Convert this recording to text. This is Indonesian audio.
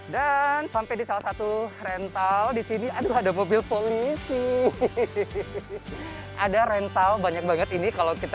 dan sampai di salah satu rental di sini ada mobil polisi ada rental banyak banget ini kalau kita